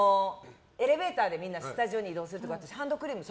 エレベーターでスタジオに移動する時私、ハンドクリームを。